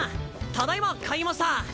ただいま帰りました！